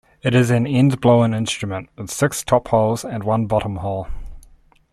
It is an end-blown instrument with six top holes and one bottom hole.